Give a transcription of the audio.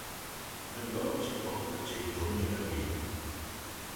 Ny loayr-jee olk jeh dooinney erbee.